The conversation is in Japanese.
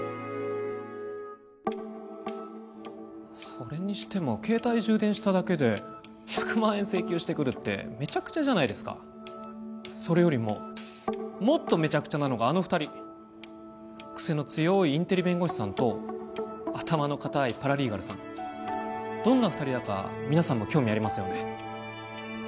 それにしても携帯充電しただけで１００万円請求してくるってめちゃくちゃじゃないですかそれよりももっとめちゃくちゃなのがあの２人クセの強いインテリ弁護士さんと頭の固いパラリーガルさんどんな２人だか皆さんも興味ありますよね？